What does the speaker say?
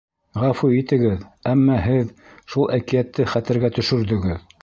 Ғәфү итегеҙ, әммә һеҙ шул әкиәтте хәтергә төшөрҙөгөҙ.